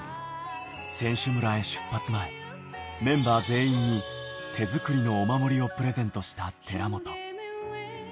選手村へ出発前、メンバー全員に手作りのお守りをプレゼントした寺本。